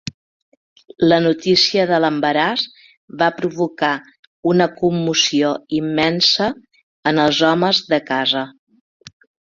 La notícia de l'embaràs va provocar una commoció immensa en els homes de casa.